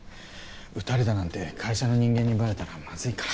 撃たれたなんてカイシャの人間にバレたらまずいから。